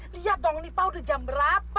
lihat dong nih pak udah jam berapa